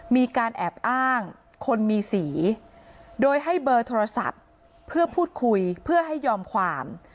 มีการแอบอ้างคนมีสีโดยให้เบอร์โทรศัพท์เพื่อพูดคุยเพื่อให้ยอมความ